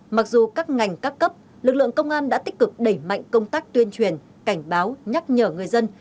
mặc dù các ngành các cấp lực lượng công an đã tích cực đẩy mạnh công tác tuyên truyền cảnh báo nhắc nhở người dân